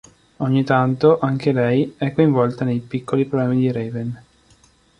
Ogni tanto anche lei è coinvolta nei "piccoli problemi" di Raven.